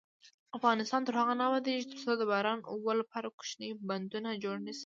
افغانستان تر هغو نه ابادیږي، ترڅو د باران اوبو لپاره کوچني بندونه جوړ نشي.